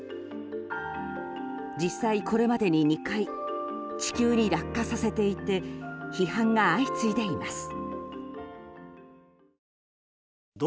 実際、これまでに２回地球に落下させていて批判が相次いでいます。